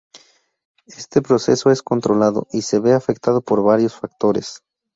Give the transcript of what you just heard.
Este proceso es controlado, y se ve afectado por varios factores.